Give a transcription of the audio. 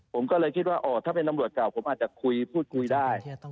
ผมก็เลยคิดว่าถ้าเป็นตำรวจเก่าผมอาจจะคุยพูดคุยได้